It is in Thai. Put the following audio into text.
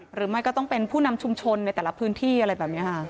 หรือไม่ก็ต้องเป็นผู้นำชุมชนในแต่ละพื้นที่อะไรแบบนี้ค่ะ